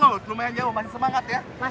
oke semangat ya